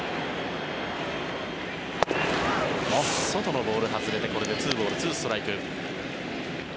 外のボール、外れてこれでツーボールツーストライク。